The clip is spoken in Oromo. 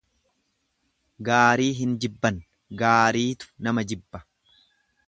Gaarii hin jibban, gaariitu nama jibba.